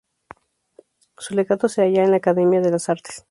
Su legado se haya en la Academia de las Artes.